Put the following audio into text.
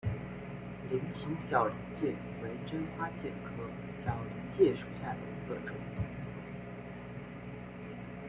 菱形小林介为真花介科小林介属下的一个种。